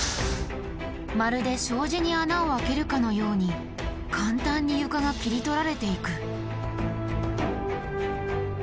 まるで障子に穴をあけるかのように簡単に床が切り取られていく。